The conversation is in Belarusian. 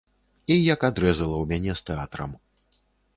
І як адрэзала ў мяне з тэатрам.